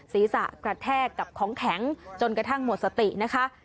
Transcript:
ศีรษะกระแทกกับของแข็งจนกระทั่งหมดสตินะคะ